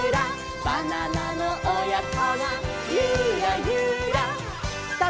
「バナナのおやこがユラユラ」さあ